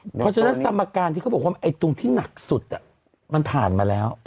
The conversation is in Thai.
เพราะฉะนั้นสมการที่เขาบอกว่าตรงที่หนักสุดมันผ่านมาแล้ว